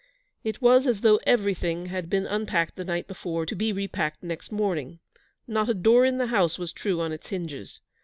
It was as though everything had been unpacked the night before to be repacked next morning. Not a door in the house was true on its hinges.